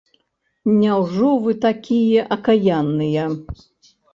Няўжо вы такія акаянныя?!